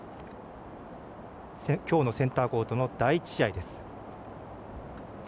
今日のセンターコートの第１試合です。